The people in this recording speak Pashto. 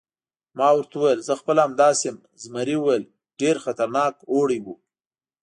ما ورته وویل: زه خپله همداسې یم، زمري وویل: ډېر خطرناک اوړی و.